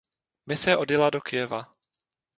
Mise odjela do Kyjeva.